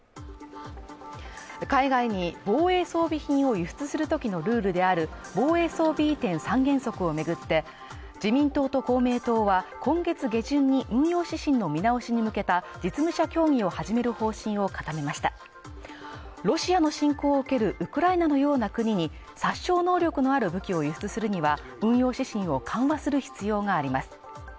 海外に防衛装備品を輸出するときのルールである防衛装備移転三原則を巡って自民党と公明党は今月下旬に運用指針の見直しに向けた実務者協議を始める方針を固めましたロシアの侵攻を受けるウクライナのような国に殺傷能力のある武器を輸出するには運用指針を緩和する必要があります。